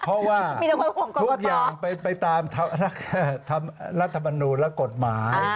เพราะว่าทุกอย่างไปตามรัฐบาลนูนและกฎหมาย